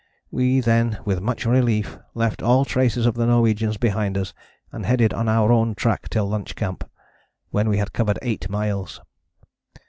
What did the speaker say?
We then with much relief left all traces of the Norwegians behind us, and headed on our own track till lunch camp, when we had covered eight miles.